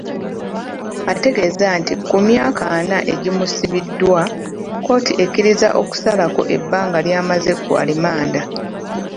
Ategeeza nti ku myaka ana egimusibiddwa, kkooti ekkiriza okusalako ebbanga ly'amaze ku alimanda.